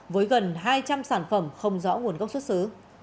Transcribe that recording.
với gần hai trăm linh sản phẩm không rõ nguồn gốc xuất xứ